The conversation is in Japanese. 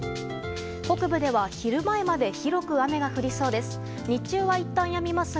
北部では、昼前まで広く雨が降りそうです。